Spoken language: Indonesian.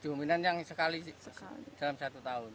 dominan yang sekali dalam satu tahun